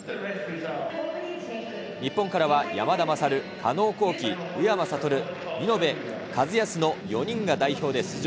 日本からは山田優、加納虹輝、宇山賢、見延和靖の４人が代表で出場。